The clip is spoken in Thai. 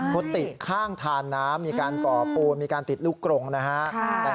กุฏิข้างทานน้ำมีการก่อปูมีการติดลูกกรงนะฮะ